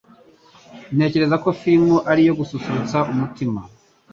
Ntekereza ko firime ari iyo gususurutsa umutima.